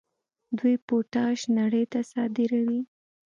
دوی پوټاش نړۍ ته صادروي.